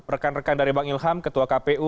rekan rekan dari bang ilham ketua kpu